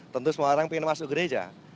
tentu semua orang ingin masuk gereja